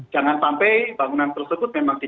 jangan sampai bangunan tersebut memang di